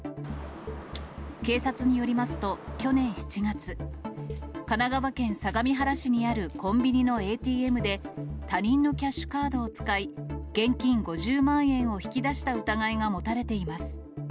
警察によりますと、去年７月、神奈川県相模原市にあるコンビニのＡＴＭで、他人のキャッシュカードを使い、現金５０万円を引き出した疑いが持たれています。